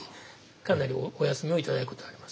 かなりお休みを頂いたことがあります。